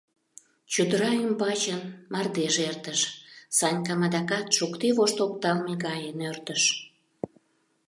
Чодыра ӱмбачын мардеж эртыш, Санькам адакат шокте вошт опталме гае нӧртыш.